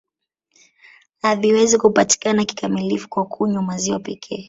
Haviwezi kupatikana kikamilifu kwa kunywa maziwa pekee